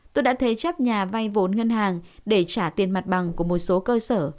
tôi đã thế chấp nhà vay vốn ngân hàng để trả tiền mặt bằng của một số cơ sở